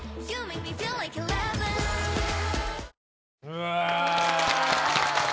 うわ！